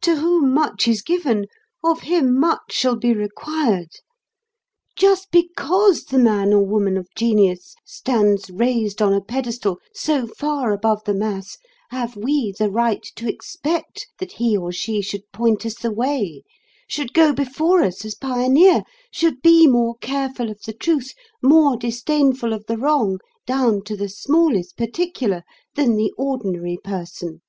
To whom much is given, of him much shall be required. Just because the man or woman of genius stands raised on a pedestal so far above the mass have we the right to expect that he or she should point us the way, should go before us as pioneer, should be more careful of the truth, more disdainful of the wrong, down to the smallest particular, than the ordinary person.